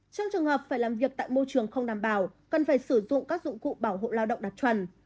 trong trường hợp phải làm việc tại môi trường không đảm bảo cần phải sử dụng các dụng cụ bảo hộ lao động đạt chuẩn